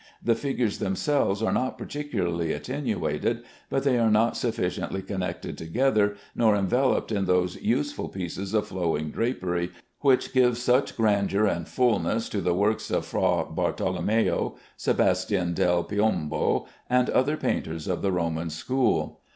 The figures themselves are not particularly attenuated, but they are not sufficiently connected together nor enveloped in those useful pieces of flowing drapery which give such grandeur and fulness to the works of Fra Bartholomeo, Sebastian del Piombo, and other painters of the Roman school.